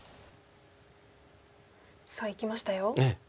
さあいきましたよ。